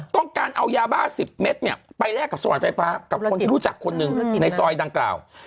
ต้องการเอายาบ้า๑๐เมตรไปแลกกับสวรรค์ไฟฟ้ากับคนที่รู้จักคนหนึ่งในซอยดังกล่าว